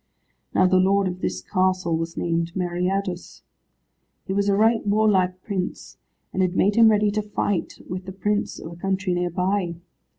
Now the lord of this castle was named Meriadus. He was a right warlike prince, and had made him ready to fight with the prince of a country near by.